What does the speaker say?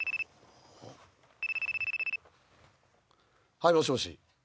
はいもしもし。